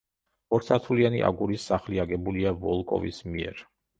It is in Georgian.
ორსართულიანი აგურის სახლი აგებულია ვოლკოვის მიერ.